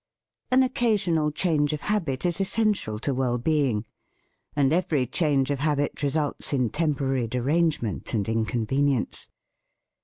An occasional change of habit is essential to well be ing, and every change of habit results in temporary derangement and incon venience.